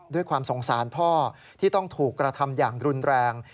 ด้วยความสงสารพ่อที่ต้องถูกกระทำอย่างรุนแรง